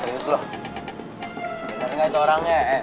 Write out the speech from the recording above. bener gak itu orangnya en